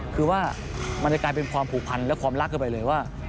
คือว่ามันจะกลายเป็นความผูกพันและความรักเข้าไปเลยว่า